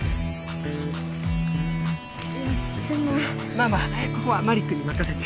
まあまあここはマリックに任せて。